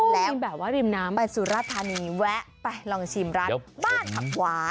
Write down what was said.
แล้วกินแบบว่าริมน้ำไปสุรธานีแวะไปลองชิมร้านบ้านผักหวาน